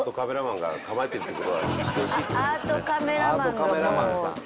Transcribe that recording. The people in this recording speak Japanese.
アートカメラマンがもう。